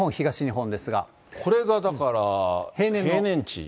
これがだから平年値。